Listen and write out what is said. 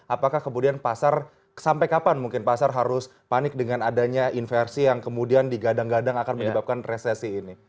apakah kemudian pasar sampai kapan mungkin pasar harus panik dengan adanya inversi yang kemudian digadang gadang akan menyebabkan resesi ini